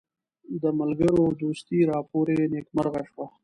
د ملګرو دوستي راپوري نیکمرغه شوه.